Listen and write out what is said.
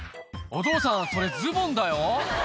お父さんそれズボンだよ